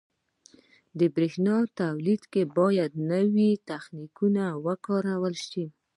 • د برېښنا تولید کې باید نوي تخنیکونه وکارول شي.